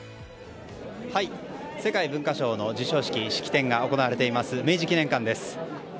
世界文化賞の授賞式式典が行われています明治記念館です。